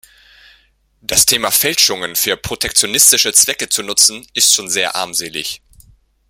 Das Thema Fälschungen für protektionistische Zwecke zu nutzen, ist schon sehr armselig.